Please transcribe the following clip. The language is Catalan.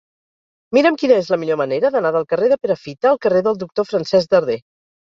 Mira'm quina és la millor manera d'anar del carrer de Perafita al carrer del Doctor Francesc Darder.